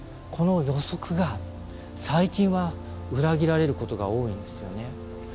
この予測が最近は裏切られることが多いんですよね。